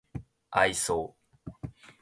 愛想